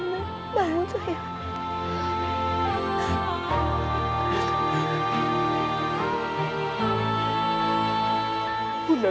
terima kasih bunda